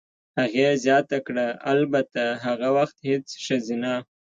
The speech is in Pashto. هغې زیاته کړه: "البته، هغه وخت هېڅ ښځینه.